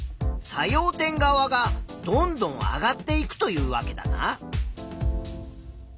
作用点側がどんどん上がっていくというわけだな。